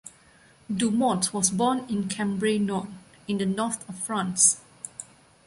Dumont was born in Cambrai, Nord, in the north of France.